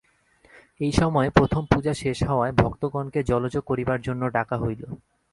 এই সময়ে প্রথম পূজা শেষ হওয়ায় ভক্তগণকে জলযোগ করিবার জন্য ডাকা হইল।